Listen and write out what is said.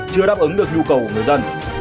chưa đáp ứng được nhu cầu của người dân